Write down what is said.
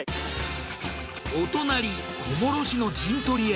お隣小諸市の陣取りへ。